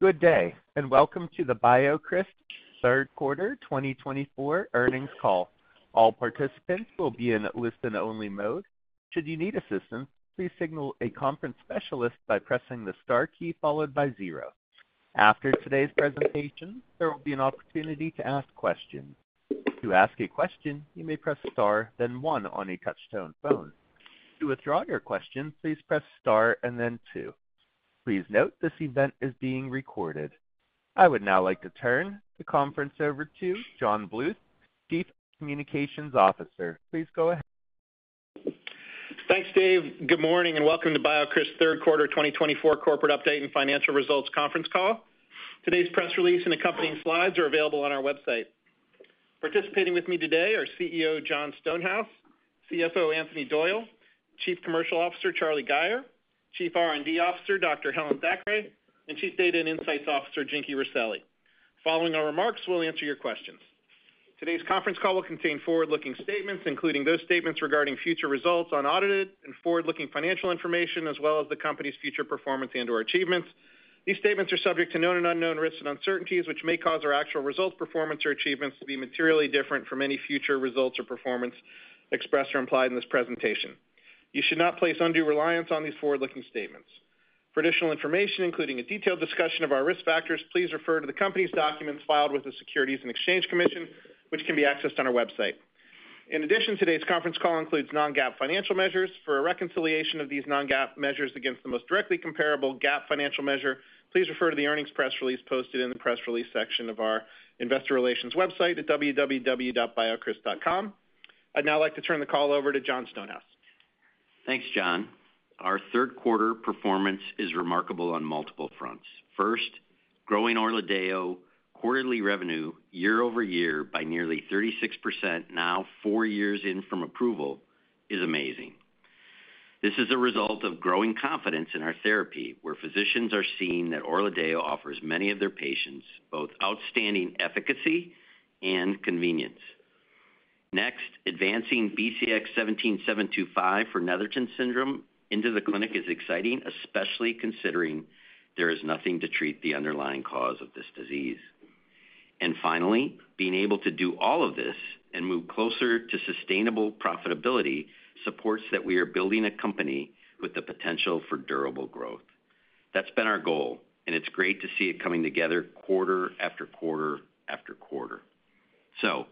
Good day, and welcome to the BioCryst third quarter 2024 earnings call. All participants will be in a listen-only mode. Should you need assistance, please signal a conference specialist by pressing the star key followed by zero. After today's presentation, there will be an opportunity to ask questions. To ask a question, you may press star, then one on a touch-tone phone. To withdraw your question, please press star and then two. Please note this event is being recorded. I would now like to turn the conference over to Jon Bluth, Chief Communications Officer. Please go ahead. Thanks, Dave. Good morning and welcome to BioCryst third quarter 2024 corporate update and financial results conference call. Today's press release and accompanying slides are available on our website. Participating with me today are CEO Jon Stonehouse, CFO Anthony Doyle, Chief Commercial Officer Charlie Gayer, Chief R&D Officer Dr. Helen Thackray, and Chief Data and Insights Officer Jinky Rosselli. Following our remarks, we'll answer your questions. Today's conference call will contain forward-looking statements, including those statements regarding future results on audited and forward-looking financial information, as well as the company's future performance and/or achievements. These statements are subject to known and unknown risks and uncertainties, which may cause our actual results, performance, or achievements to be materially different from any future results or performance expressed or implied in this presentation. You should not place undue reliance on these forward-looking statements. For additional information, including a detailed discussion of our risk factors, please refer to the company's documents filed with the Securities and Exchange Commission, which can be accessed on our website. In addition, today's conference call includes non-GAAP financial measures. For a reconciliation of these non-GAAP measures against the most directly comparable GAAP financial measure, please refer to the earnings press release posted in the press release section of our investor relations website at www.biocryst.com. I'd now like to turn the call over to Jon Stonehouse. Thanks, Jon. Our third quarter performance is remarkable on multiple fronts. First, growing ORLADEYO quarterly revenue year-over-year by nearly 36%, now four years in from approval, is amazing. This is a result of growing confidence in our therapy, where physicians are seeing that ORLADEYO offers many of their patients both outstanding efficacy and convenience. Next, advancing BCX17725 for Netherton syndrome into the clinic is exciting, especially considering there is nothing to treat the underlying cause of this disease. And finally, being able to do all of this and move closer to sustainable profitability supports that we are building a company with the potential for durable growth. That's been our goal, and it's great to see it coming together quarter after quarter after quarter. So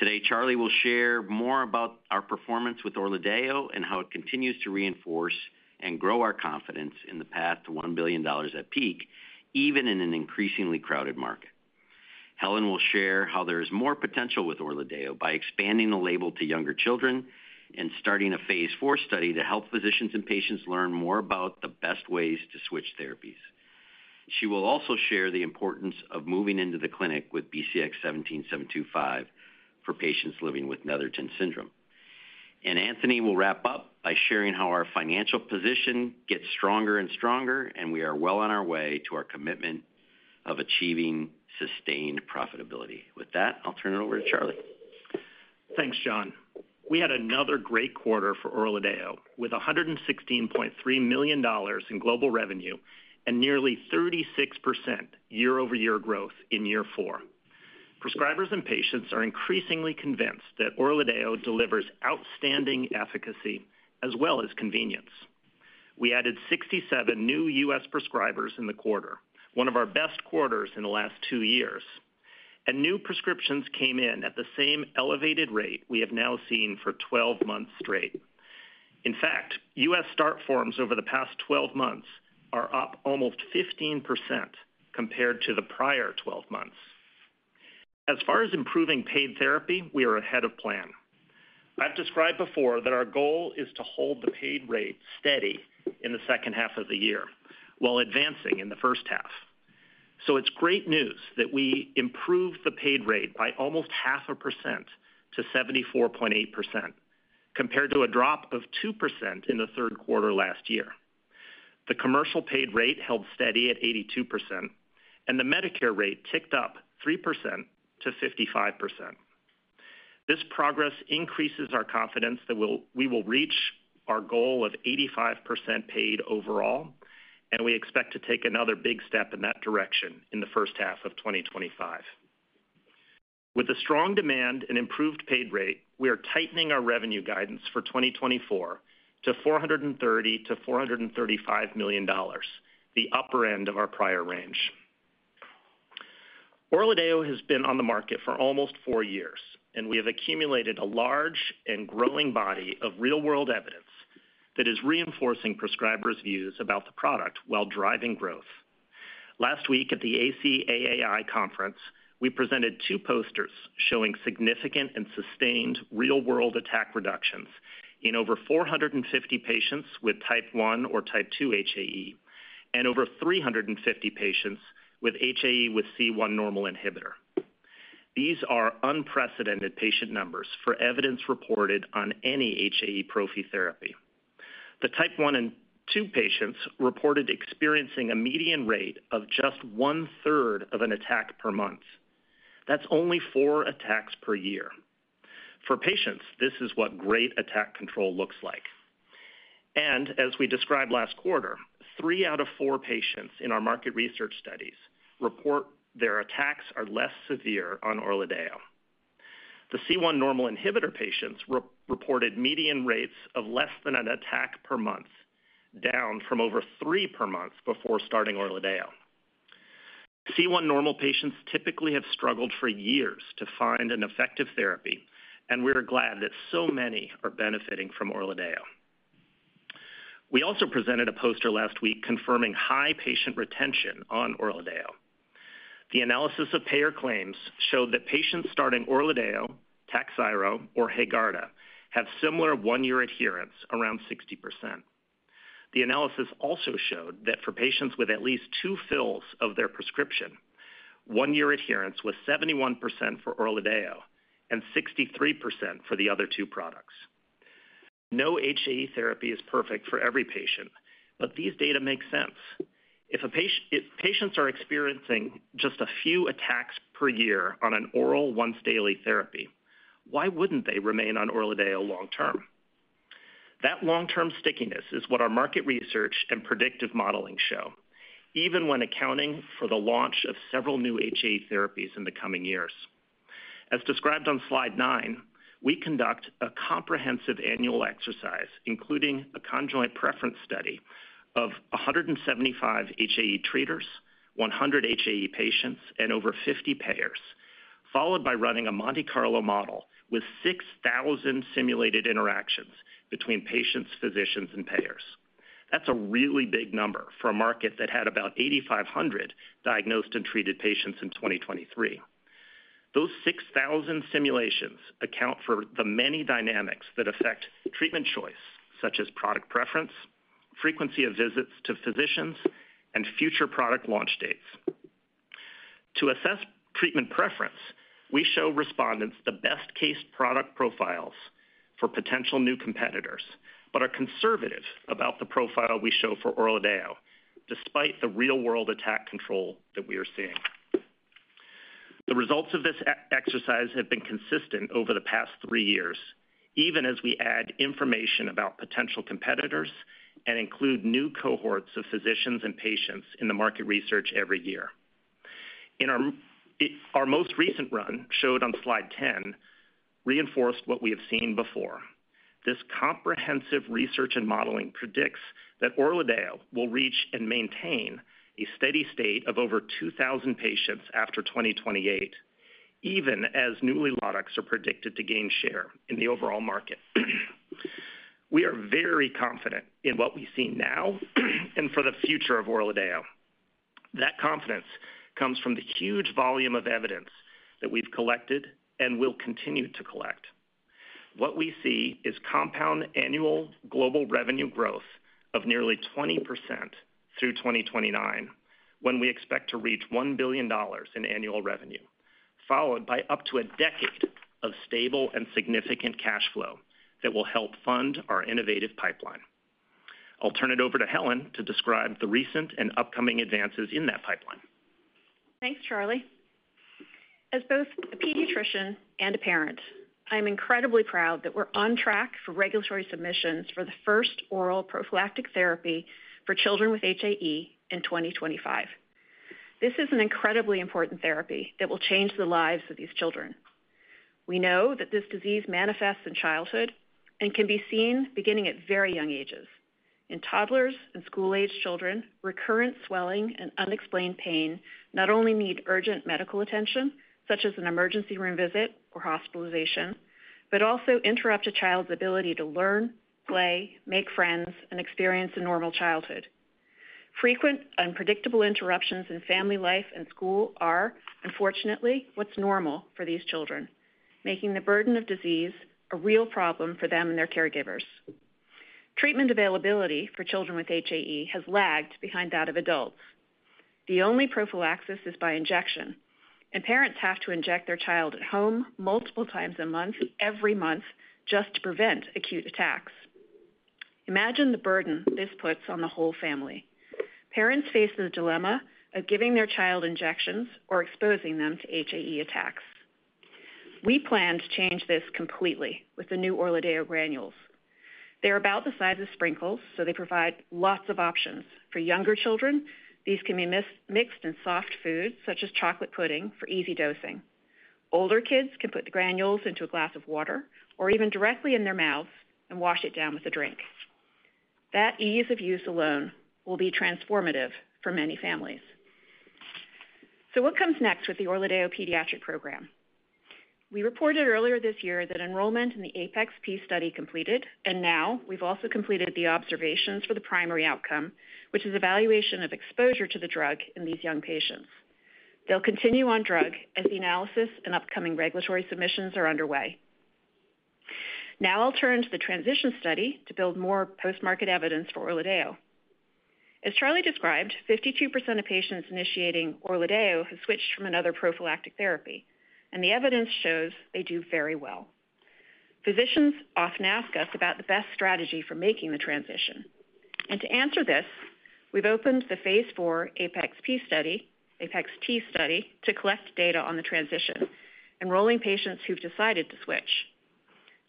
today, Charlie will share more about our performance with ORLADEYO and how it continues to reinforce and grow our confidence in the path to $1 billion at peak, even in an increasingly crowded market. Helen will share how there is more potential with ORLADEYO by expanding the label to younger children and starting a Phase IV study to help physicians and patients learn more about the best ways to switch therapies. She will also share the importance of moving into the clinic with BCX17725 for patients living with Netherton syndrome. And Anthony will wrap up by sharing how our financial position gets stronger and stronger, and we are well on our way to our commitment of achieving sustained profitability. With that, I'll turn it over to Charlie. Thanks, Jon. We had another great quarter for ORLADEYO with $116.3 million in global revenue and nearly 36% year-over-year growth in year four. Prescribers and patients are increasingly convinced that ORLADEYO delivers outstanding efficacy as well as convenience. We added 67 new U.S. prescribers in the quarter, one of our best quarters in the last two years, and new prescriptions came in at the same elevated rate we have now seen for 12 months straight. In fact, U.S. start forms over the past 12 months are up almost 15% compared to the prior 12 months. As far as improving paid therapy, we are ahead of plan. I've described before that our goal is to hold the paid rate steady in the second half of the year while advancing in the first half. It's great news that we improved the paid rate by almost 0.5% to 74.8%, compared to a drop of 2% in the third quarter last year. The commercial paid rate held steady at 82%, and the Medicare rate ticked up 3% to 55%. This progress increases our confidence that we will reach our goal of 85% paid overall, and we expect to take another big step in that direction in the first half of 2025. With the strong demand and improved paid rate, we are tightening our revenue guidance for 2024 to $430-$435 million, the upper end of our prior range. ORLADEYO has been on the market for almost four years, and we have accumulated a large and growing body of real-world evidence that is reinforcing prescribers' views about the product while driving growth. Last week at the ACAAI Conference, we presented two posters showing significant and sustained real-world attack reductions in over 450 patients with type 1 or type 2 HAE and over 350 patients with HAE with normal C1-Inhibitor. These are unprecedented patient numbers for evidence reported on any HAE prophy therapy. The Type 1 and 2 patients reported experiencing a median rate of just one-third of an attack per month. That's only four attacks per year. For patients, this is what great attack control looks like. And as we described last quarter, three out of four patients in our market research studies report their attacks are less severe on ORLADEYO. The normal C1-Inhibitor patients reported median rates of less than an attack per month, down from over three per month before starting ORLADEYO. C1 normal patients typically have struggled for years to find an effective therapy, and we are glad that so many are benefiting from ORLADEYO. We also presented a poster last week confirming high patient retention on ORLADEYO. The analysis of payer claims showed that patients starting ORLADEYO, TAKHZYRO, or HAEGARDA have similar one-year adherence, around 60%. The analysis also showed that for patients with at least two fills of their prescription, one-year adherence was 71% for ORLADEYO and 63% for the other two products. No HAE therapy is perfect for every patient, but these data make sense. If patients are experiencing just a few attacks per year on an oral once-daily therapy, why wouldn't they remain on ORLADEYO long-term? That long-term stickiness is what our market research and predictive modeling show, even when accounting for the launch of several new HAE therapies in the coming years. As described on slide 9, we conduct a comprehensive annual exercise, including a conjoint preference study of 175 HAE treaters, 100 HAE patients, and over 50 payers, followed by running a Monte Carlo model with 6,000 simulated interactions between patients, physicians, and payers. That's a really big number for a market that had about 8,500 diagnosed and treated patients in 2023. Those 6,000 simulations account for the many dynamics that affect treatment choice, such as product preference, frequency of visits to physicians, and future product launch dates. To assess treatment preference, we show respondents the best-case product profiles for potential new competitors, but are conservative about the profile we show for ORLADEYO, despite the real-world attack control that we are seeing. The results of this exercise have been consistent over the past three years, even as we add information about potential competitors and include new cohorts of physicians and patients in the market research every year. In our most recent run, shown on slide 10, reinforced what we have seen before. This comprehensive research and modeling predicts that ORLADEYO will reach and maintain a steady state of over 2,000 patients after 2028, even as newly launched are predicted to gain share in the overall market. We are very confident in what we see now and for the future of ORLADEYO. That confidence comes from the huge volume of evidence that we've collected and will continue to collect. What we see is compound annual global revenue growth of nearly 20% through 2029, when we expect to reach $1 billion in annual revenue, followed by up to a decade of stable and significant cash flow that will help fund our innovative pipeline. I'll turn it over to Helen to describe the recent and upcoming advances in that pipeline. Thanks, Charlie. As both a pediatrician and a parent, I'm incredibly proud that we're on track for regulatory submissions for the first oral prophylactic therapy for children with HAE in 2025. This is an incredibly important therapy that will change the lives of these children. We know that this disease manifests in childhood and can be seen beginning at very young ages. In toddlers and school-aged children, recurrent swelling and unexplained pain not only need urgent medical attention, such as an emergency room visit or hospitalization, but also interrupt a child's ability to learn, play, make friends, and experience a normal childhood. Frequent, unpredictable interruptions in family life and school are, unfortunately, what's normal for these children, making the burden of disease a real problem for them and their caregivers. Treatment availability for children with HAE has lagged behind that of adults. The only prophylaxis is by injection, and parents have to inject their child at home multiple times a month, every month, just to prevent acute attacks. Imagine the burden this puts on the whole family. Parents face the dilemma of giving their child injections or exposing them to HAE attacks. We plan to change this completely with the new ORLADEYO granules. They are about the size of sprinkles, so they provide lots of options. For younger children, these can be mixed in soft foods, such as chocolate pudding, for easy dosing. Older kids can put the granules into a glass of water or even directly in their mouths and wash it down with a drink. That ease of use alone will be transformative for many families. So what comes next with the ORLADEYO pediatric program? We reported earlier this year that enrollment in the APeX-P study completed, and now we've also completed the observations for the primary outcome, which is evaluation of exposure to the drug in these young patients. They'll continue on drug as the analysis and upcoming regulatory submissions are underway. Now I'll turn to the transition study to build more post-market evidence for ORLADEYO. As Charlie described, 52% of patients initiating ORLADEYO have switched from another prophylactic therapy, and the evidence shows they do very well. Physicians often ask us about the best strategy for making the transition. And to answer this, we've opened the Phase IV APeX-T study to collect data on the transition, enrolling patients who've decided to switch.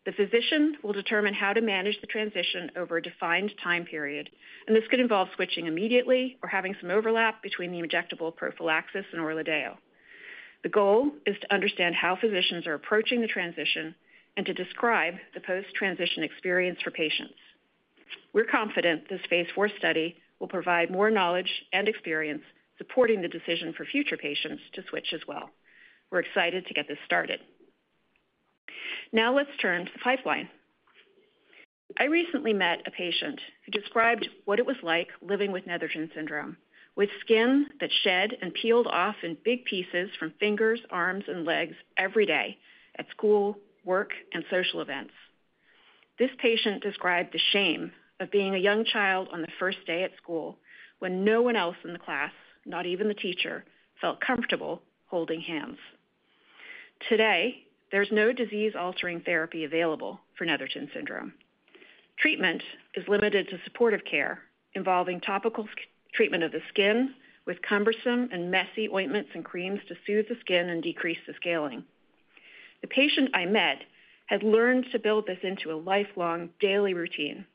The physician will determine how to manage the transition over a defined time period, and this could involve switching immediately or having some overlap between the injectable prophylaxis and ORLADEYO. The goal is to understand how physicians are approaching the transition and to describe the post-transition experience for patients. We're confident this Phase IV study will provide more knowledge and experience supporting the decision for future patients to switch as well. We're excited to get this started. Now let's turn to the pipeline. I recently met a patient who described what it was like living with Netherton syndrome, with skin that shed and peeled off in big pieces from fingers, arms, and legs every day at school, work, and social events. This patient described the shame of being a young child on the first day at school when no one else in the class, not even the teacher, felt comfortable holding hands. Today, there's no disease-altering therapy available for Netherton syndrome. Treatment is limited to supportive care involving topical treatment of the skin with cumbersome and messy ointments and creams to soothe the skin and decrease the scaling. The patient I met had learned to build this into a lifelong daily routine,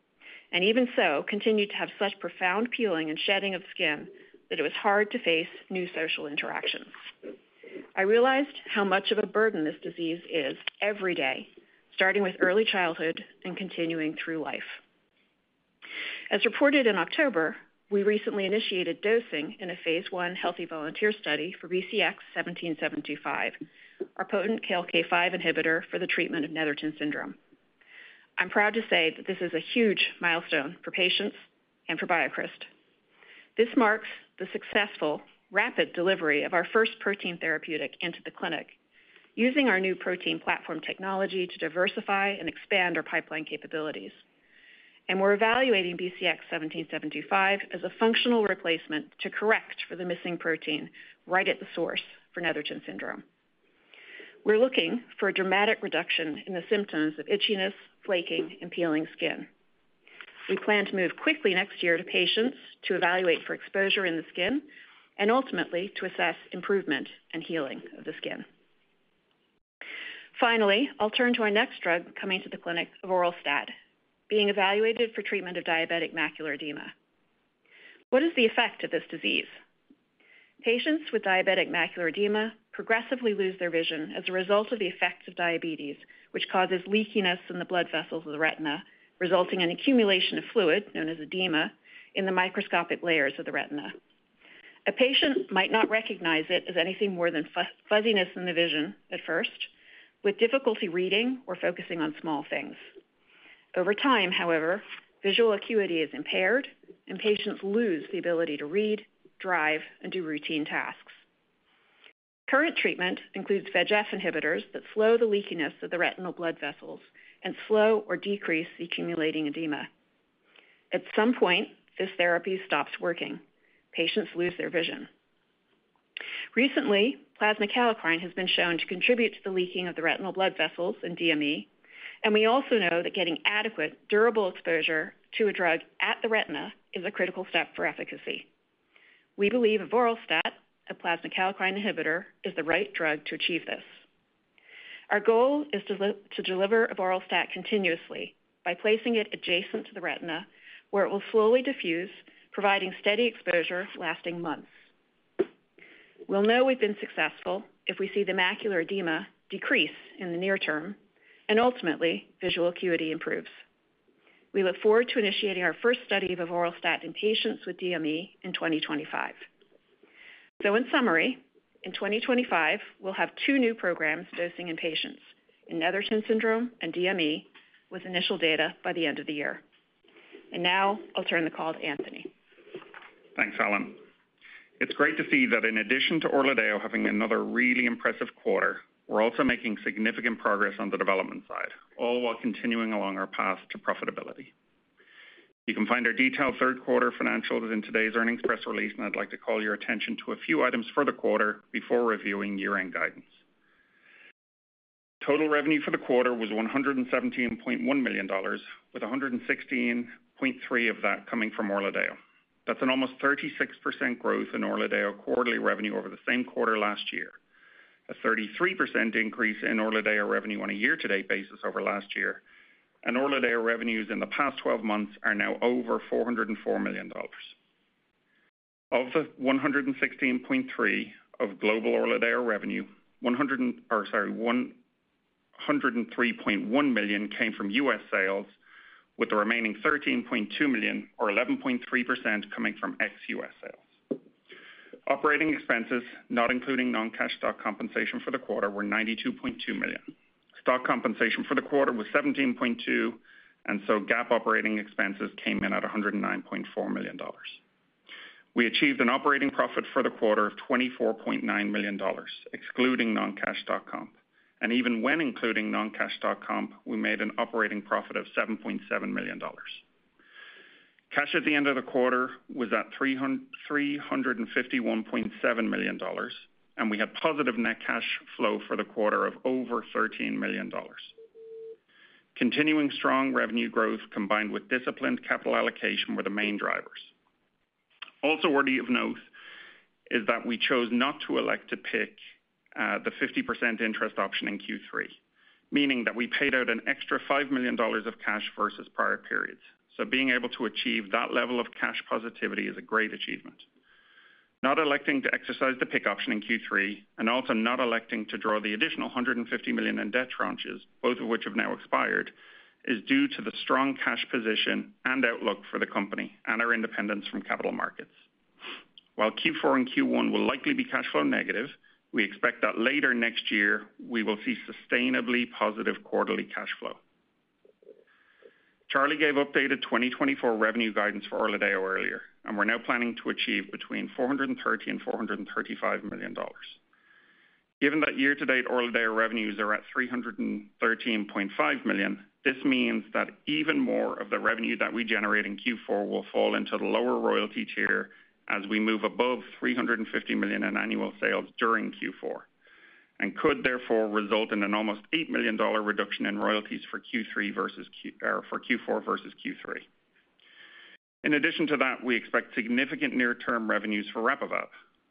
and even so continued to have such profound peeling and shedding of skin that it was hard to face new social interactions. I realized how much of a burden this disease is every day, starting with early childhood and continuing through life. As reported in October, we recently initiated dosing in a Phase I healthy volunteer study for BCX17725, our potent KLK5 inhibitor for the treatment of Netherton syndrome. I'm proud to say that this is a huge milestone for patients and for BioCryst. This marks the successful, rapid delivery of our first protein therapeutic into the clinic, using our new protein platform technology to diversify and expand our pipeline capabilities. And we're evaluating BCX17725 as a functional replacement to correct for the missing protein right at the source for Netherton syndrome. We're looking for a dramatic reduction in the symptoms of itchiness, flaking, and peeling skin. We plan to move quickly next year to patients to evaluate for exposure in the skin and ultimately to assess improvement and healing of the skin. Finally, I'll turn to our next drug coming to the clinic of avoralstat, being evaluated for treatment of diabetic macular edema. What is the effect of this disease? Patients with diabetic macular edema progressively lose their vision as a result of the effects of diabetes, which causes leakiness in the blood vessels of the retina, resulting in accumulation of fluid known as edema in the microscopic layers of the retina. A patient might not recognize it as anything more than fuzziness in the vision at first, with difficulty reading or focusing on small things. Over time, however, visual acuity is impaired, and patients lose the ability to read, drive, and do routine tasks. Current treatment includes VEGF inhibitors that slow the leakiness of the retinal blood vessels and slow or decrease the accumulating edema. At some point, this therapy stops working. Patients lose their vision. Recently, plasma kallikrein has been shown to contribute to the leaking of the retinal blood vessels and DME, and we also know that getting adequate, durable exposure to a drug at the retina is a critical step for efficacy. We believe avoralstat, a plasma kallikrein inhibitor, is the right drug to achieve this. Our goal is to deliver avoralstat continuously by placing it adjacent to the retina, where it will slowly diffuse, providing steady exposure lasting months. We'll know we've been successful if we see the macular edema decrease in the near term, and ultimately, visual acuity improves. We look forward to initiating our first study of avoralstat in patients with DME in 2025. So in summary, in 2025, we'll have two new programs dosing in patients in Netherton syndrome and DME with initial data by the end of the year. Now I'll turn the call to Anthony. Thanks, Helen. It's great to see that in addition to ORLADEYO having another really impressive quarter, we're also making significant progress on the development side, all while continuing along our path to profitability. You can find our detailed third quarter financials in today's earnings press release, and I'd like to call your attention to a few items for the quarter before reviewing year-end guidance. Total revenue for the quarter was $117.1 million, with $116.3 of that coming from ORLADEYO. That's an almost 36% growth in ORLADEYO quarterly revenue over the same quarter last year, a 33% increase in ORLADEYO revenue on a year-to-date basis over last year, and ORLADEYO revenues in the past 12 months are now over $404 million. Of the $116.3 of global ORLADEYO revenue, $103.1 million came from U.S. sales, with the remaining $13.2 million, or 11.3%, coming from ex-U.S. sales. Operating expenses, not including non-cash stock compensation for the quarter, were $92.2 million. Stock compensation for the quarter was $17.2 million, and so GAAP operating expenses came in at $109.4 million. We achieved an operating profit for the quarter of $24.9 million, excluding non-cash stock comp. And even when including non-cash stock comp, we made an operating profit of $7.7 million. Cash at the end of the quarter was at $351.7 million, and we had positive net cash flow for the quarter of over $13 million. Continuing strong revenue growth combined with disciplined capital allocation were the main drivers. Also worthy of note is that we chose not to elect to pick the 50% interest option in Q3, meaning that we paid out an extra $5 million of cash versus prior periods. So being able to achieve that level of cash positivity is a great achievement. Not electing to exercise the pick option in Q3, and also not electing to draw the additional $150 million in debt tranches, both of which have now expired, is due to the strong cash position and outlook for the company and our independence from capital markets. While Q4 and Q1 will likely be cash flow negative, we expect that later next year we will see sustainably positive quarterly cash flow. Charlie gave updated 2024 revenue guidance for ORLADEYO earlier, and we're now planning to achieve between $430 million-$435 million. Given that year-to-date ORLADEYO revenues are at $313.5 million, this means that even more of the revenue that we generate in Q4 will fall into the lower royalty tier as we move above $350 million in annual sales during Q4, and could therefore result in an almost $8 million reduction in royalties for Q4 versus Q3. In addition to that, we expect significant near-term revenues for RAPIVAB.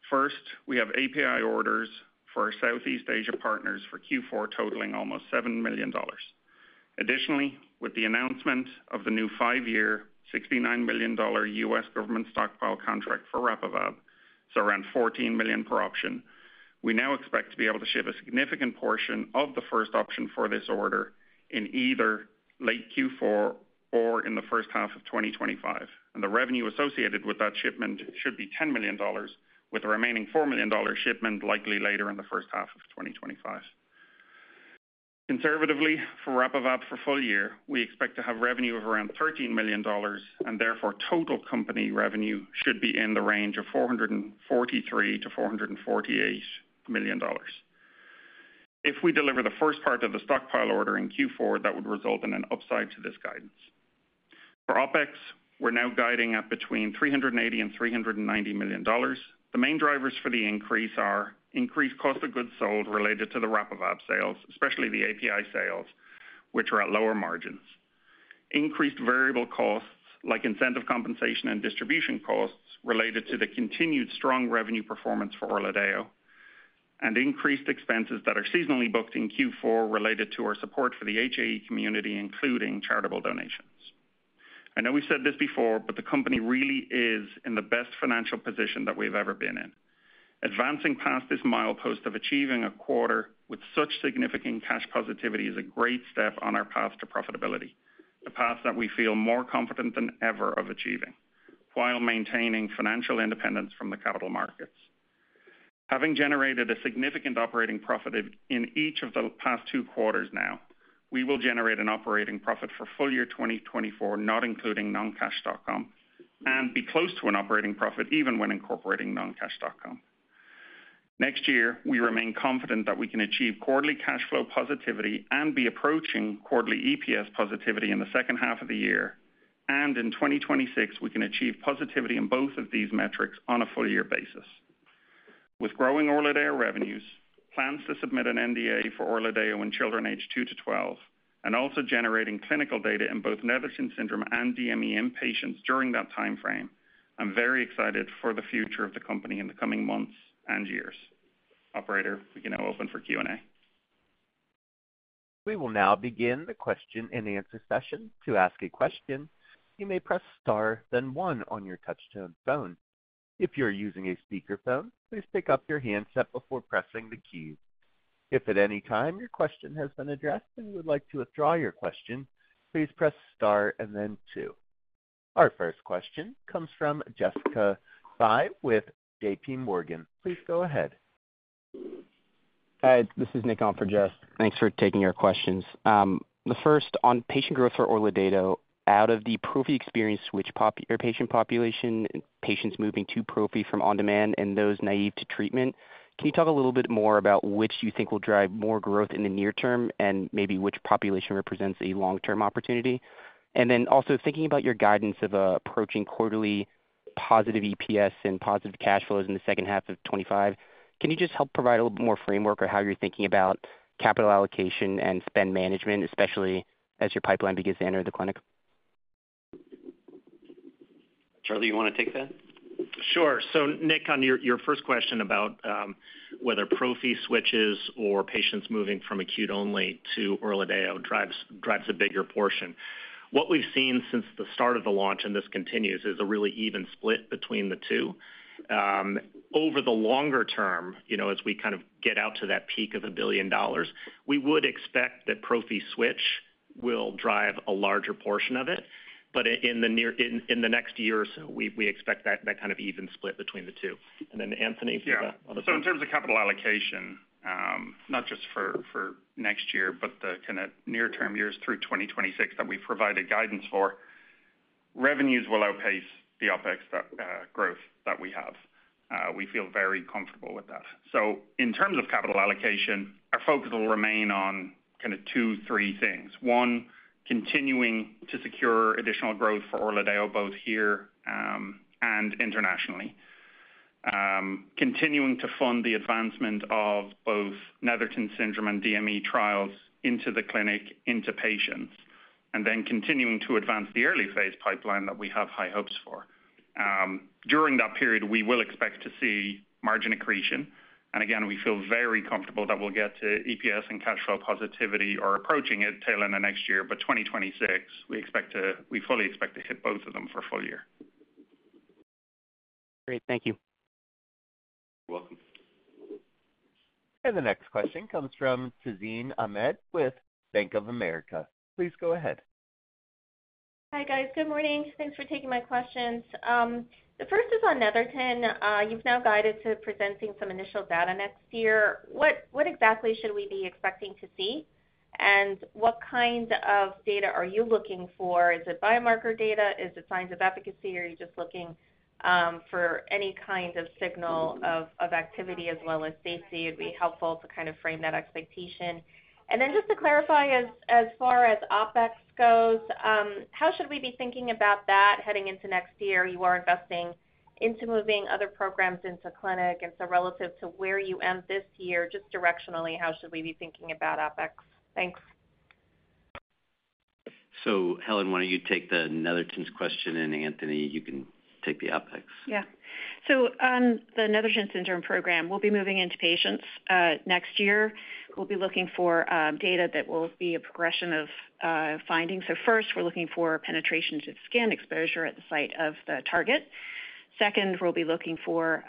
First, we have API orders for our Southeast Asia partners for Q4 totaling almost $7 million. Additionally, with the announcement of the new five-year, $69 million U.S. government stockpile contract for RAPIVAB, so around $14 million per option, we now expect to be able to ship a significant portion of the first option for this order in either late Q4 or in the first half of 2025, and the revenue associated with that shipment should be $10 million, with the remaining $4 million shipment likely later in the first half of 2025. Conservatively, for RAPIVAB for full year, we expect to have revenue of around $13 million, and therefore total company revenue should be in the range of $443 million-$448 million. If we deliver the first part of the stockpile order in Q4, that would result in an upside to this guidance. For OpEx, we're now guiding at between $380 million and $390 million. The main drivers for the increase are increased cost of goods sold related to the RAPIVAB sales, especially the API sales, which are at lower margins. Increased variable costs like incentive compensation and distribution costs related to the continued strong revenue performance for ORLADEYO, and increased expenses that are seasonally booked in Q4 related to our support for the HAE community, including charitable donations. I know we've said this before, but the company really is in the best financial position that we've ever been in. Advancing past this milepost of achieving a quarter with such significant cash positivity is a great step on our path to profitability, a path that we feel more confident than ever of achieving while maintaining financial independence from the capital markets. Having generated a significant operating profit in each of the past two quarters now, we will generate an operating profit for full year 2024, not including non-cash stock comp, and be close to an operating profit even when incorporating non-cash stock comp. Next year, we remain confident that we can achieve quarterly cash flow positivity and be approaching quarterly EPS positivity in the second half of the year, and in 2026, we can achieve positivity in both of these metrics on a full year basis. With growing ORLADEYO revenues, plans to submit an NDA for ORLADEYO and children age 2 to 12, and also generating clinical data in both Netherton syndrome and DME in patients during that timeframe, I'm very excited for the future of the company in the coming months and years. Operator, we can now open for Q&A. We will now begin the question and answer session. To ask a question, you may press Star, then One on your touch-tone phone. If you're using a speakerphone, please pick up your handset before pressing the keys. If at any time your question has been addressed and you would like to withdraw your question, please press Star and then Two. Our first question comes from Jessica Fye with JPMorgan. Please go ahead. Hi, this is Nick on for Jess. Thanks for taking our questions. The first on patient growth for ORLADEYO out of the prophy experience, which patient population, patients moving to prophy from on-demand and those naive to treatment. Can you talk a little bit more about which you think will drive more growth in the near term and maybe which population represents a long-term opportunity? And then also thinking about your guidance of approaching quarterly positive EPS and positive cash flows in the second half of 2025, can you just help provide a little bit more framework or how you're thinking about capital allocation and spend management, especially as your pipeline begins to enter the clinic? Charlie, you want to take that? Sure, so Nick, on your first question about whether prophy switches or patients moving from acute only to ORLADEYO drives a bigger portion. What we've seen since the start of the launch and this continues is a really even split between the two. Over the longer term, you know, as we kind of get out to that peak of $1 billion, we would expect that prophy switch will drive a larger portion of it. But in the next year or so, we expect that kind of even split between the two. And then Anthony, if you want to. Yeah. So in terms of capital allocation, not just for next year, but the kind of near-term years through 2026 that we've provided guidance for, revenues will outpace the OpEx growth that we have. We feel very comfortable with that. So in terms of capital allocation, our focus will remain on kind of two, three things. One, continuing to secure additional growth for ORLADEYO both here and internationally. Continuing to fund the advancement of both Netherton syndrome and DME trials into the clinic, into patients, and then continuing to advance the early phase pipeline that we have high hopes for. During that period, we will expect to see margin accretion. And again, we feel very comfortable that we'll get to EPS and cash flow positivity or approaching it tail end of next year. But 2026, we fully expect to hit both of them for full year. Great. Thank you. You're welcome. The next question comes from Tazeen Ahmad with Bank of America. Please go ahead. Hi guys. Good morning. Thanks for taking my questions. The first is on Netherton. You've now guided to presenting some initial data next year. What exactly should we be expecting to see? And what kind of data are you looking for? Is it biomarker data? Is it signs of efficacy? Are you just looking for any kind of signal of activity as well as safety? It'd be helpful to kind of frame that expectation. And then just to clarify, as far as OpEx goes, how should we be thinking about that heading into next year? You are investing into moving other programs into clinic. And so relative to where you end this year, just directionally, how should we be thinking about OpEx? Thanks. So, Helen, why don't you take the Netherton's question, and Anthony, you can take the OpEx. Yeah. So on the Netherton syndrome program, we'll be moving into patients next year. We'll be looking for data that will be a progression of findings. So first, we're looking for penetration to skin exposure at the site of the target. Second, we'll be looking for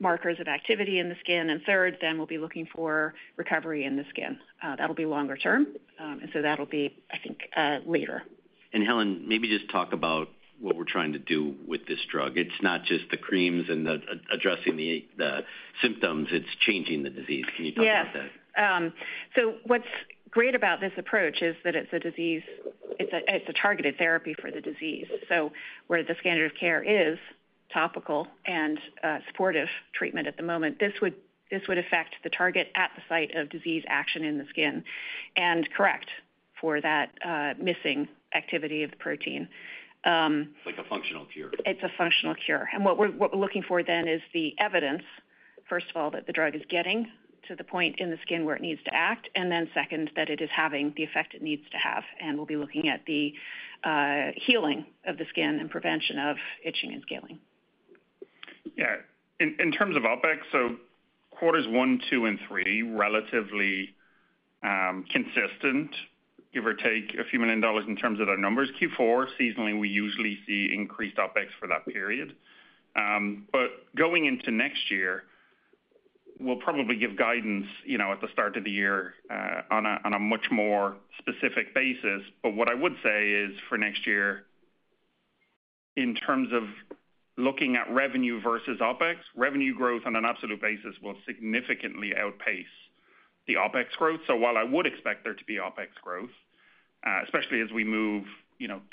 markers of activity in the skin. And third, then we'll be looking for recovery in the skin. That'll be longer term. And so that'll be, I think, later. And Helen, maybe just talk about what we're trying to do with this drug. It's not just the creams and addressing the symptoms. It's changing the disease. Can you talk about that? Yes. What's great about this approach is that it's a targeted therapy for the disease. Where the standard of care is topical and supportive treatment at the moment, this would affect the target at the site of disease action in the skin and correct for that missing activity of the protein. Like a functional cure. It's a functional cure. And what we're looking for then is the evidence, first of all, that the drug is getting to the point in the skin where it needs to act, and then second, that it is having the effect it needs to have. And we'll be looking at the healing of the skin and prevention of itching and scaling. Yeah. In terms of OpEx, so quarters one, two, and three relatively consistent, give or take a few million dollars in terms of their numbers. Q4, seasonally, we usually see increased OpEx for that period, but going into next year, we'll probably give guidance at the start of the year on a much more specific basis. But what I would say is for next year, in terms of looking at revenue versus OpEx, revenue growth on an absolute basis will significantly outpace the OpEx growth, so while I would expect there to be OpEx growth, especially as we move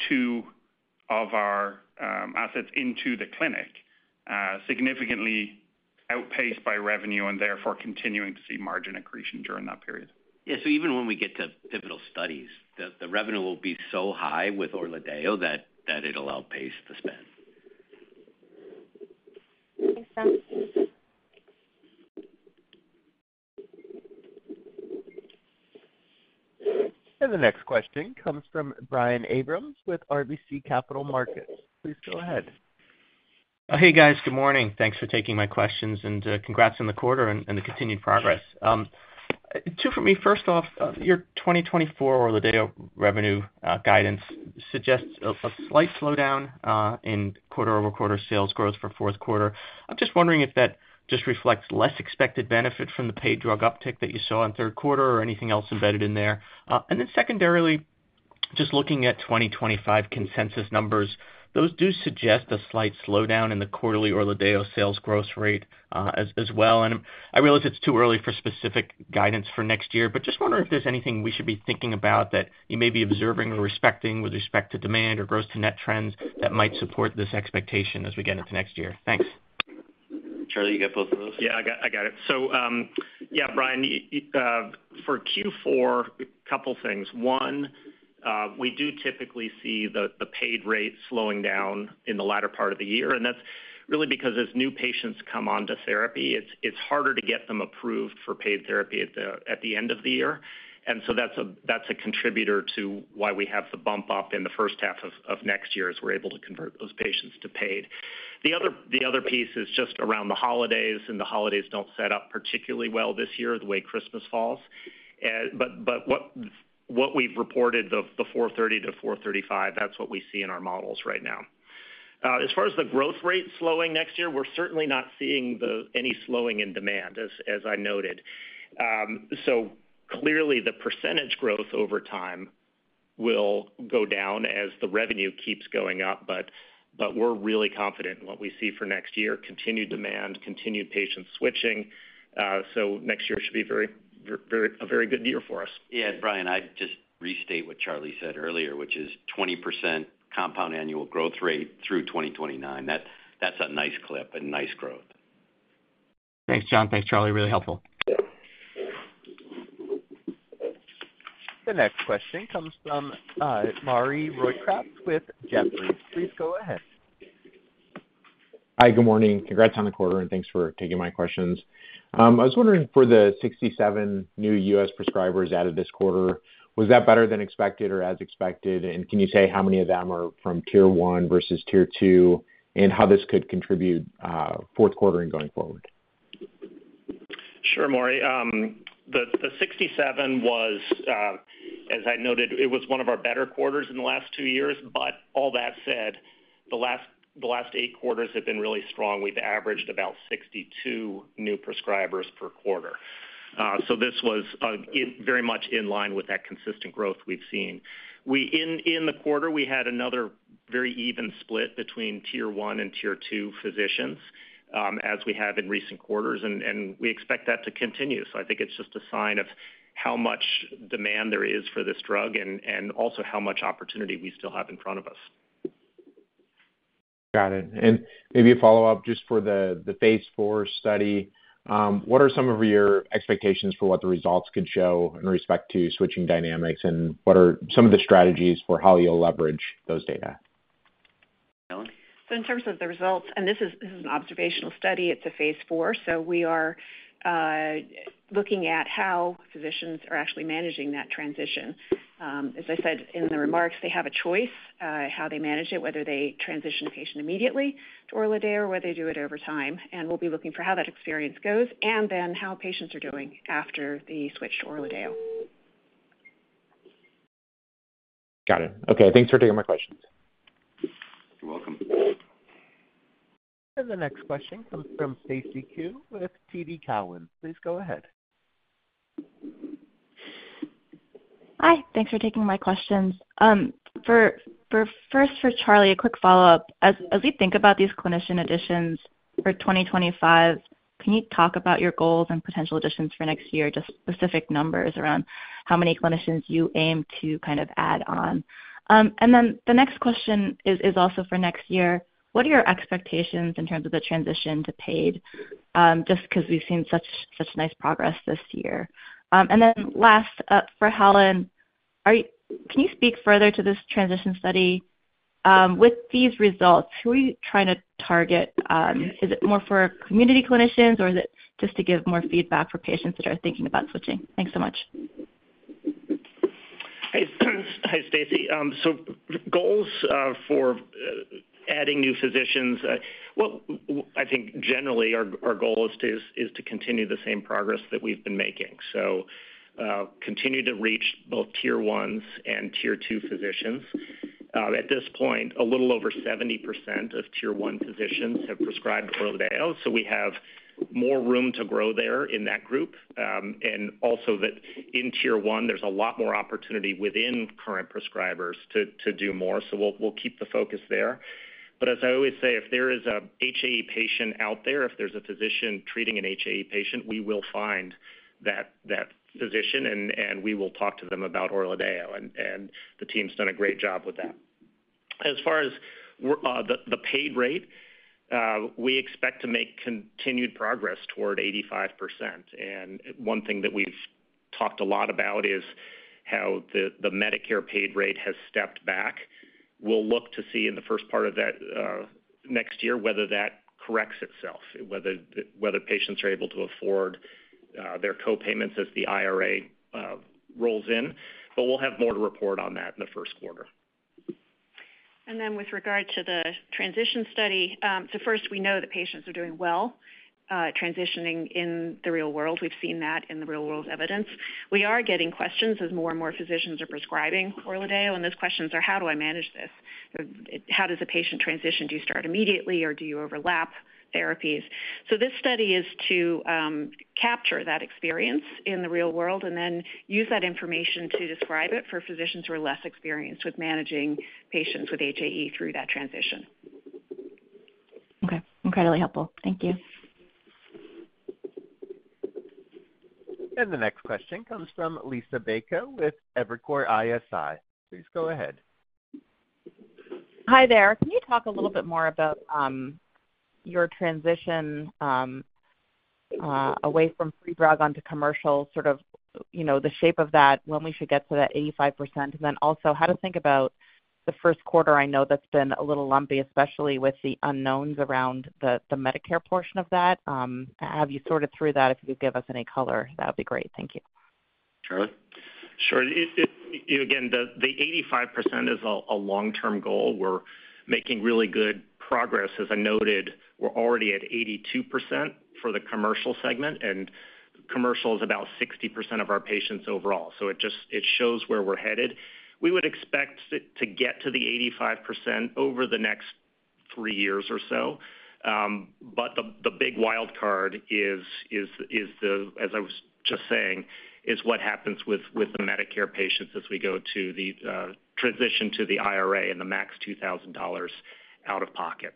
two of our assets into the clinic, significantly outpaced by revenue and therefore continuing to see margin accretion during that period. Yeah, so even when we get to pivotal studies, the revenue will be so high with ORLADEYO that it'll outpace the spend. Makes sense. The next question comes from Brian Abrahams with RBC Capital Markets. Please go ahead. Hey guys, good morning. Thanks for taking my questions and congrats on the quarter and the continued progress. Two for me. First off, your 2024 ORLADEYO revenue guidance suggests a slight slowdown in quarter-over-quarter sales growth for fourth quarter. I'm just wondering if that just reflects less expected benefit from the paid drug uptick that you saw in third quarter or anything else embedded in there. And then secondarily, just looking at 2025 consensus numbers, those do suggest a slight slowdown in the quarterly ORLADEYO sales growth rate as well. And I realize it's too early for specific guidance for next year, but just wondering if there's anything we should be thinking about that you may be observing or respecting with respect to demand or gross-to-net trends that might support this expectation as we get into next year. Thanks. Charlie, you got both of those? Yeah, I got it. So yeah, Brian, for Q4, a couple of things. One, we do typically see the paid rate slowing down in the latter part of the year. And that's really because as new patients come on to therapy, it's harder to get them approved for paid therapy at the end of the year. And so that's a contributor to why we have the bump up in the first half of next year as we're able to convert those patients to paid. The other piece is just around the holidays, and the holidays don't set up particularly well this year the way Christmas falls. But what we've reported, the 430-435, that's what we see in our models right now. As far as the growth rate slowing next year, we're certainly not seeing any slowing in demand, as I noted. So clearly, the percentage growth over time will go down as the revenue keeps going up. But we're really confident in what we see for next year: continued demand, continued patients switching. So next year should be a very good year for us. Yeah. And Brian, I'd just restate what Charlie said earlier, which is 20% compound annual growth rate through 2029. That's a nice clip and nice growth. Thanks, John. Thanks, Charlie. Really helpful. The next question comes from Maury Raycroft with Jefferies. Please go ahead. Hi, good morning. Congrats on the quarter, and thanks for taking my questions. I was wondering for the 67 new U.S. prescribers added this quarter, was that better than expected or as expected? And can you say how many of them are from Tier 1 versus Tier 2 and how this could contribute fourth quarter and going forward? Sure, Maury. The 67 was, as I noted, it was one of our better quarters in the last two years. But all that said, the last eight quarters have been really strong. We've averaged about 62 new prescribers per quarter. So this was very much in line with that consistent growth we've seen. In the quarter, we had another very even split between Tier 1 and Tier 2 physicians as we have in recent quarters, and we expect that to continue. So I think it's just a sign of how much demand there is for this drug and also how much opportunity we still have in front of us. Got it. And maybe a follow-up just for the Phase IV study. What are some of your expectations for what the results could show in respect to switching dynamics, and what are some of the strategies for how you'll leverage those data? Helen? This is an observational study. It's a Phase IV. We are looking at how physicians are actually managing that transition. As I said in the remarks, they have a choice how they manage it, whether they transition a patient immediately to ORLADEYO or whether they do it over time. We'll be looking for how that experience goes and then how patients are doing after the switch to ORLADEYO. Got it. Okay. Thanks for taking my questions. You're welcome. The next question comes from Stacy Ku with TD Cowen. Please go ahead. Hi. Thanks for taking my questions. First, for Charlie, a quick follow-up. As we think about these clinician additions for 2025, can you talk about your goals and potential additions for next year, just specific numbers around how many clinicians you aim to kind of add on? And then the next question is also for next year. What are your expectations in terms of the transition to paid, just because we've seen such nice progress this year? And then last for Helen, can you speak further to this transition study? With these results, who are you trying to target? Is it more for community clinicians, or is it just to give more feedback for patients that are thinking about switching? Thanks so much. Hi, Stacy. So goals for adding new physicians, I think generally our goal is to continue the same progress that we've been making. So continue to reach both Tier 1s and Tier 2 physicians. At this point, a little over 70% of Tier 1 physicians have prescribed ORLADEYO. So we have more room to grow there in that group. And also that in Tier 1, there's a lot more opportunity within current prescribers to do more. So we'll keep the focus there. But as I always say, if there is an HAE patient out there, if there's a physician treating an HAE patient, we will find that physician, and we will talk to them about ORLADEYO. And the team's done a great job with that. As far as the payor rate, we expect to make continued progress toward 85%. And one thing that we've talked a lot about is how the Medicare paid rate has stepped back. We'll look to see in the first part of next year whether that corrects itself, whether patients are able to afford their co-payments as the IRA rolls in. But we'll have more to report on that in the first quarter. And then with regard to the transition study, so first, we know that patients are doing well transitioning in the real world. We've seen that in the real world evidence. We are getting questions as more and more physicians are prescribing ORLADEYO. And those questions are, how do I manage this? How does a patient transition? Do you start immediately, or do you overlap therapies? So this study is to capture that experience in the real world and then use that information to describe it for physicians who are less experienced with managing patients with HAE through that transition. Okay. Incredibly helpful. Thank you. The next question comes from Liisa Bayko with Evercore ISI. Please go ahead. Hi there. Can you talk a little bit more about your transition away from pre-drug onto commercial, sort of the shape of that, when we should get to that 85%? And then also, how to think about the first quarter I know that's been a little lumpy, especially with the unknowns around the Medicare portion of that. Have you sorted through that? If you could give us any color, that would be great. Thank you. Sure. Again, the 85% is a long-term goal. We're making really good progress. As I noted, we're already at 82% for the commercial segment. And commercial is about 60% of our patients overall. So it shows where we're headed. We would expect to get to the 85% over the next three years or so. But the big wild card is, as I was just saying, is what happens with the Medicare patients as we go to the transition to the IRA and the max $2,000 out of pocket.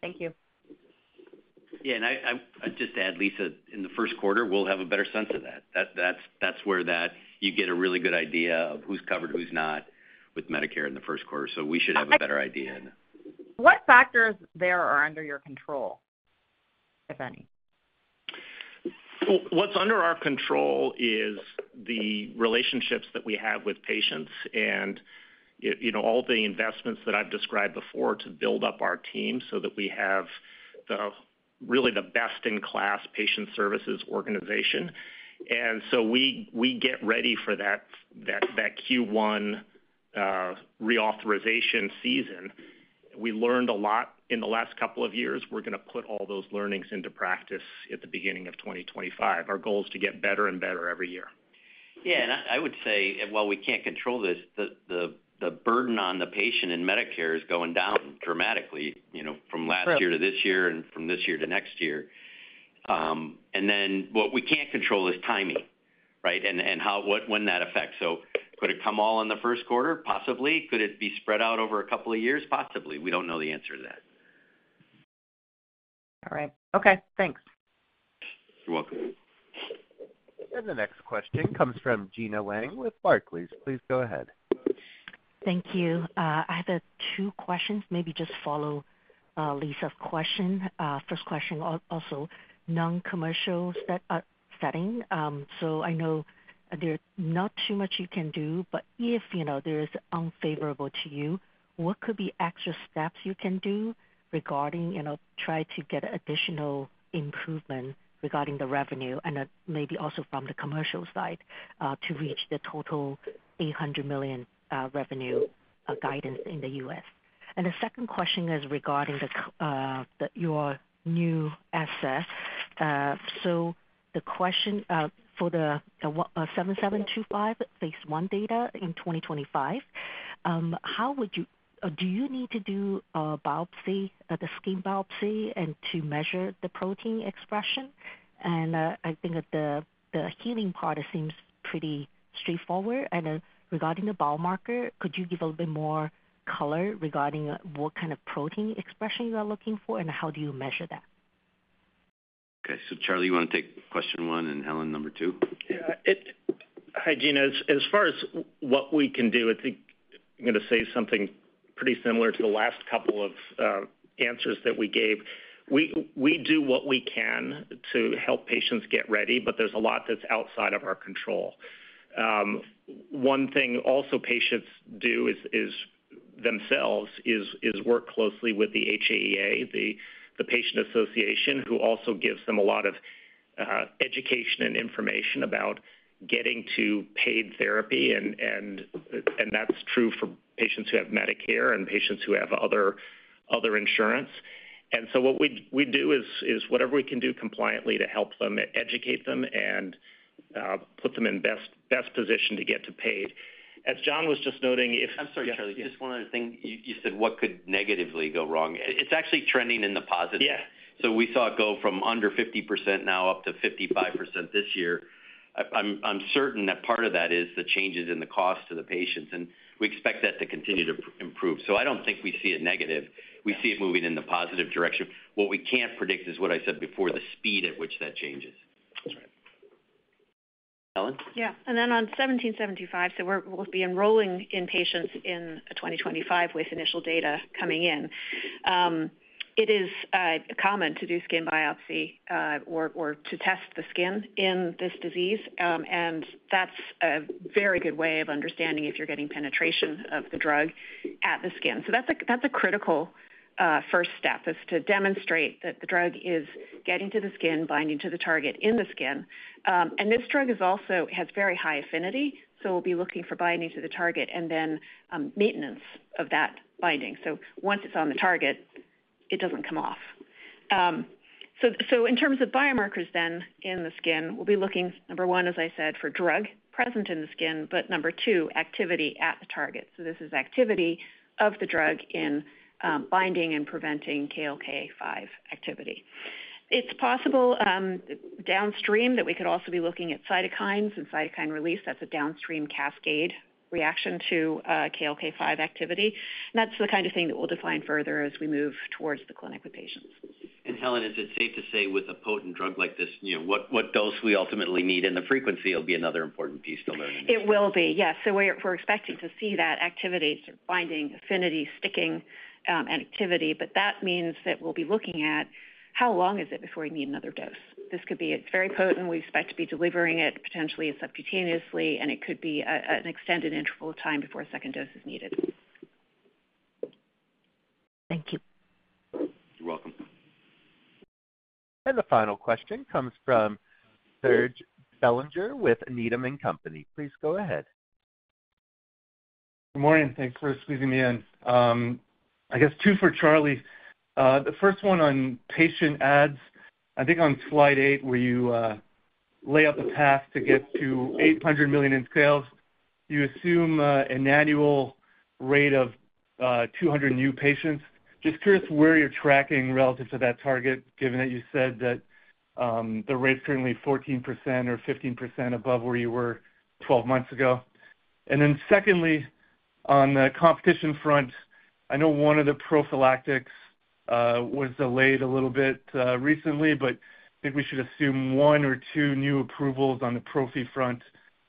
Thank you. Yeah. And I'd just add, Lisa, in the first quarter, we'll have a better sense of that. That's where you get a really good idea of who's covered, who's not with Medicare in the first quarter. So we should have a better idea. What factors there are under your control, if any? What's under our control is the relationships that we have with patients and all the investments that I've described before to build up our team so that we have really the best-in-class patient services organization, and so we get ready for that Q1 reauthorization season. We learned a lot in the last couple of years. We're going to put all those learnings into practice at the beginning of 2025. Our goal is to get better and better every year. Yeah. And I would say, while we can't control this, the burden on the patient in Medicare is going down dramatically from last year to this year and from this year to next year. And then what we can't control is timing, right, and when that affects. So could it come all in the first quarter? Possibly. Could it be spread out over a couple of years? Possibly. We don't know the answer to that. All right. Okay. Thanks. You're welcome. The next question comes from Gena Wang with Barclays. Please go ahead. Thank you. I have two questions. Maybe just follow Liisa's question. First question also, non-commercial setting. So I know there's not too much you can do, but if there is unfavorable to you, what could be extra steps you can do regarding trying to get additional improvement regarding the revenue and maybe also from the commercial side to reach the total $800 million revenue guidance in the U.S.? And the second question is regarding your new assets. So the question for the 7725 Phase I data in 2025, do you need to do a biopsy, the skin biopsy, and to measure the protein expression? And I think the healing part seems pretty straightforward. And regarding the biomarker, could you give a little bit more color regarding what kind of protein expression you are looking for, and how do you measure that? Okay. So Charlie, you want to take question one and Helen, number two? Hi, Gena. As far as what we can do, I think I'm going to say something pretty similar to the last couple of answers that we gave. We do what we can to help patients get ready, but there's a lot that's outside of our control. One thing also patients do themselves is work closely with the HAEA, the patient association, who also gives them a lot of education and information about getting to paid therapy. And that's true for patients who have Medicare and patients who have other insurance. And so what we do is whatever we can do compliantly to help them educate them and put them in best position to get to paid. As John was just noting, if. I'm sorry, Charlie. Just one other thing. You said, what could negatively go wrong? It's actually trending in the positive. So we saw it go from under 50% now up to 55% this year. I'm certain that part of that is the changes in the cost to the patients. And we expect that to continue to improve. So I don't think we see it negative. We see it moving in the positive direction. What we can't predict is, what I said before, the speed at which that changes. That's right. Helen? Yeah. And then on 17725, so we'll be enrolling in patients in 2025 with initial data coming in. It is common to do skin biopsy or to test the skin in this disease. And that's a very good way of understanding if you're getting penetration of the drug at the skin. So that's a critical first step is to demonstrate that the drug is getting to the skin, binding to the target in the skin. And this drug has very high affinity. So we'll be looking for binding to the target and then maintenance of that binding. So once it's on the target, it doesn't come off. So in terms of biomarkers then in the skin, we'll be looking, number one, as I said, for drug present in the skin, but number two, activity at the target. So this is activity of the drug in binding and preventing KLK5 activity. It's possible downstream that we could also be looking at cytokines and cytokine release. That's a downstream cascade reaction to KLK5 activity, and that's the kind of thing that we'll define further as we move towards the clinic with patients. Helen, is it safe to say with a potent drug like this, what dose we ultimately need and the frequency will be another important piece to learn in this study? It will be. Yes. So we're expecting to see that activity, binding, affinity, sticking, and activity. But that means that we'll be looking at how long is it before we need another dose. This could be very potent. We expect to be delivering it potentially subcutaneously, and it could be an extended interval of time before a second dose is needed. Thank you. You're welcome. And the final question comes from Serge Belanger with Needham & Company. Please go ahead. Good morning. Thanks for squeezing me in. I guess two for Charlie. The first one on patient adds, I think on slide eight where you lay out the path to get to $800 million in sales, you assume an annual rate of 200 new patients. Just curious where you're tracking relative to that target, given that you said that the rate's currently 14% or 15% above where you were 12 months ago. And then secondly, on the competition front, I know one of the prophylactics was delayed a little bit recently, but I think we should assume one or two new approvals on the prophy front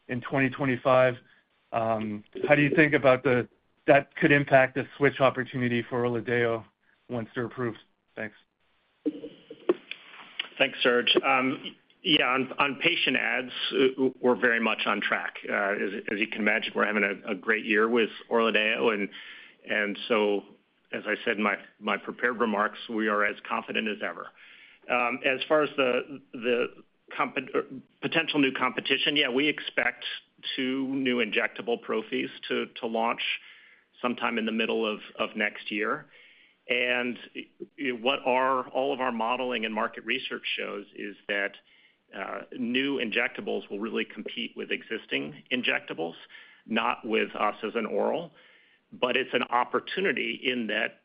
in 2025. How do you think about that could impact the switch opportunity for ORLADEYO once they're approved? Thanks. Thanks, Serge. Yeah. On patient ads, we're very much on track. As you can imagine, we're having a great year with ORLADEYO. And so, as I said in my prepared remarks, we are as confident as ever. As far as the potential new competition, yeah, we expect two new injectable prophys to launch sometime in the middle of next year. And what all of our modeling and market research shows is that new injectables will really compete with existing injectables, not with us as an oral. But it's an opportunity in that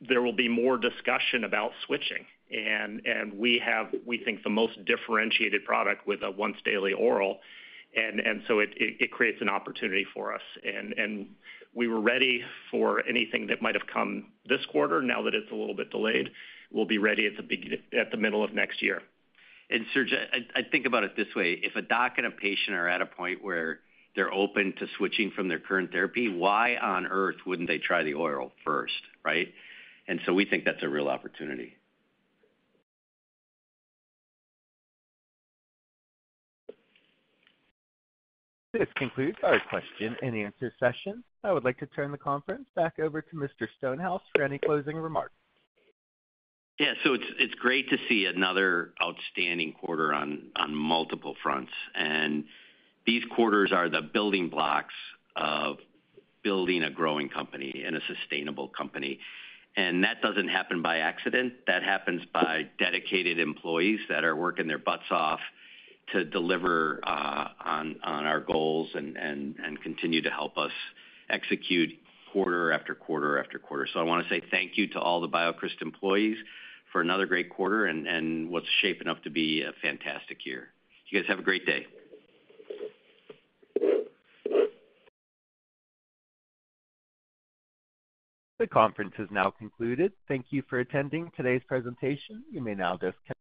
there will be more discussion about switching. And we have, we think, the most differentiated product with a once-daily oral. And so it creates an opportunity for us. And we were ready for anything that might have come this quarter. Now that it's a little bit delayed, we'll be ready at the middle of next year. And Serge, I think about it this way. If a doc and a patient are at a point where they're open to switching from their current therapy, why on earth wouldn't they try the oral first, right? And so we think that's a real opportunity. This concludes our question and answer session. I would like to turn the conference back over to Mr. Stonehouse for any closing remarks. Yeah. So it's great to see another outstanding quarter on multiple fronts. And these quarters are the building blocks of building a growing company and a sustainable company. And that doesn't happen by accident. That happens by dedicated employees that are working their butts off to deliver on our goals and continue to help us execute quarter after quarter after quarter. So I want to say thank you to all the BioCryst employees for another great quarter and what's shaping up to be a fantastic year. You guys have a great day. The conference has now concluded. Thank you for attending today's presentation. You may now disconnect.